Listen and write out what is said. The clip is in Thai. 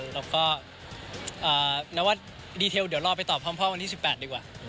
แล้วก็นับว่าดีเทลเดี๋ยวรอไปตอบพร้อมพ่อวันที่๑๘ดีกว่า